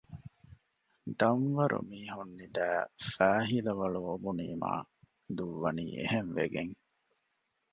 ދަންވަރު މީހުން ނިދައި ފައިހިލަވަޅު އޮބުނީމާ ދުއްވަވަނީ އެހެން ވެގެން